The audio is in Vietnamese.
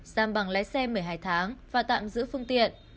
giam bằng lái xe một mươi hai tháng và tạm giữ phương tiện